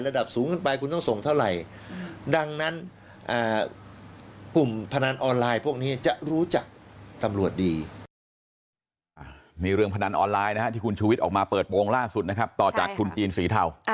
ระดับสูงขึ้นไปคุณต้องส่งเท่าไหร่ดังนั้นกลุ่มพนันออนไลน์พวกนี้จะรู้จักตำรวจดี